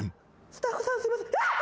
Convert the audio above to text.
スタッフさんすいません。